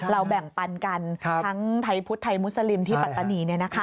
แบ่งปันกันทั้งไทยพุทธไทยมุสลิมที่ปัตตานี